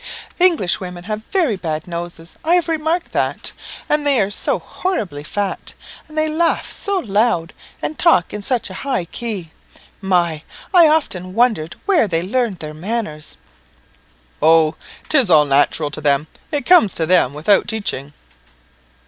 "English women have very bad noses I have remarked that; and they are so horribly fat, and they laugh so loud, and talk in such a high key! My! I often wondered where they learned their manners." "Oh! 'tis all natural to them it comes to them without teaching."